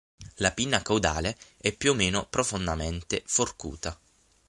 La pinna caudale è più o meno profondamente forcuta.